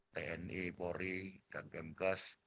tni polri dan kmges